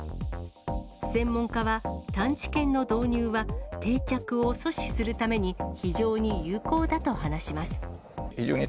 専門家は、探知犬の導入は、定着を阻止するために非常に有効だと話します。